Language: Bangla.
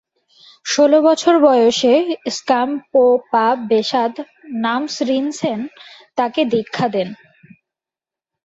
ষোল বছর বয়সে স্গাম-পো-পা-ব্সোদ-নাম্স-রিন-ছেন তাকে দীক্ষা দেন।